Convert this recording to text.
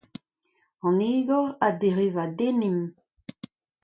An egor a drevadennimp.